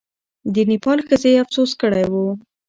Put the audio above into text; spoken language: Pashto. د نېپال ښځې افسوس کړی وو.